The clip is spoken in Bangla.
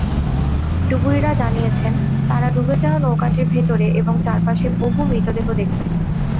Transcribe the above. ডুবুরিরা জানিয়েছেন, তাঁরা ডুবে যাওয়া নৌকাটির ভেতরে এবং চারপাশে বহু মৃতদেহ দেখেছেন।